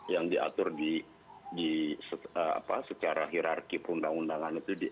yang diatur secara hirarki perundang undangan itu